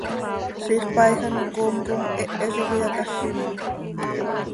Ziix paaij ano coom com hehe zo cöiyacázinot.